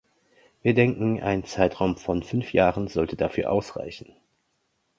Wir denken, ein Zeitraum von fünf Jahren sollte dafür ausreichen.